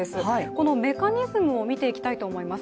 このメカニズムを見ていきたいと思います。